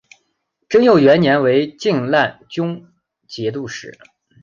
贞佑元年为静难军节度使。